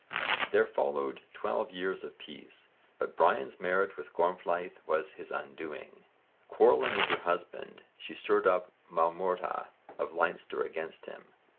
There followed twelve years of peace, but Brian's marriage with Gormflaith was his undoing. Quarrelling with her husband, she stirred up Maelmordha of Leinster against him.